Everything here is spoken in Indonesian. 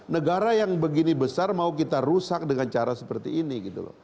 negara yang begini besar mau kita rusak dengan cara seperti ini gitu loh